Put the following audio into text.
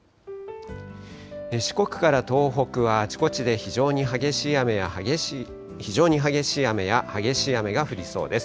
四国から東北はあちこちで非常に激しい雨や、激しい雨が降りそうです。